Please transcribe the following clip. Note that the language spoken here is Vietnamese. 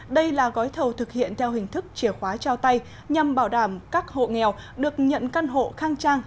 đây là gói thầu thực hiện theo hình thức chìa khóa trao tay nhằm bảo đảm các hộ nghèo được nhận căn hộ khang trang